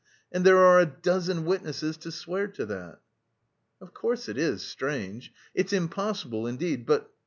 And there are a dozen witnesses to swear to that!" "Of course it is strange! It's impossible, indeed, but..."